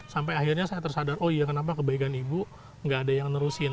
sampai akhirnya saya tersadar oh iya kenapa kebaikan ibu nggak ada yang nerusin